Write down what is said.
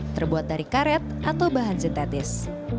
terbuat dari karet atau bahan sintetis